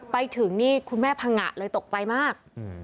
ไปถึงนี่คุณแม่พังงะเลยตกใจมาก